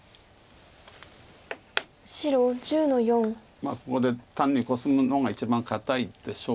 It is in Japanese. まあここで単にコスむのが一番堅いでしょう。